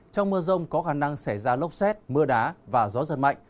trong mưa rông có khả năng xảy ra lốc xét mưa đá và gió giật mạnh